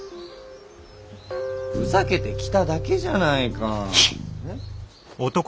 ふざけて着ただけじゃないか。